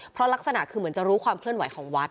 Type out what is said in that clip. เพราะลักษณะคือเหมือนจะรู้ความเคลื่อนไหวของวัด